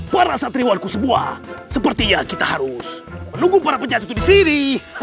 para satriwanku sebuah sepertinya kita harus menunggu para penyakit disini